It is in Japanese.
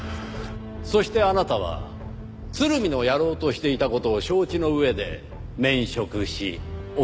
そしてあなたは鶴見のやろうとしていた事を承知の上で免職し送り出した。